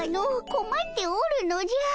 こまっておるのじゃ。